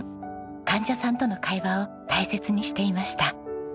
患者さんとの会話を大切にしていました。